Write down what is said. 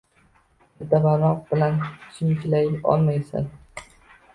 Bitta barmoq bilan chimchilay olmaysan